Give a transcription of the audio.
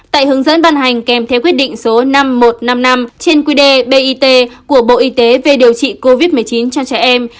tại hướng dẫn ban hành kèm theo quyết định số năm nghìn một trăm năm mươi năm trên quy đề bit của bộ y tế về điều trị covid một mươi chín cho trẻ em